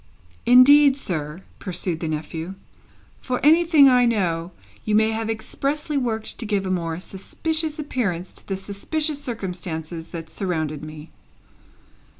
"Indeed, sir," pursued the nephew, "for anything I know, you may have expressly worked to give a more suspicious appearance to the suspicious circumstances that surrounded me."